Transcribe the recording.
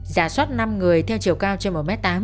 giả soát năm người theo chiều cao trên một m tám